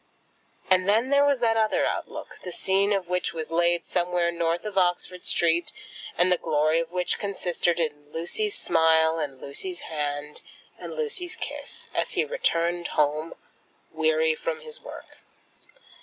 And then there was that other outlook, the scene of which was laid somewhere north of Oxford Street, and the glory of which consisted in Lucy's smile, and Lucy's hand, and Lucy's kiss, as he returned home weary from his work.